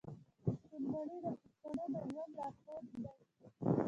پښتونولي د پښتنو د ژوند لارښود دی.